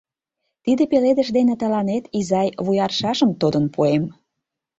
Тиде пеледыш дене тыланет, изай, вуй аршашым тодын пуэм.